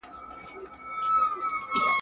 له څو خوښيو